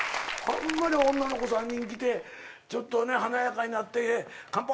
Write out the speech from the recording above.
女の子３人来てちょっと華やかになって乾杯！